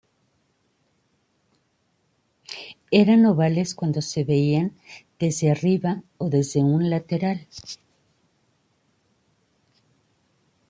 Eran ovales cuando se veían desde arriba o desde un lateral.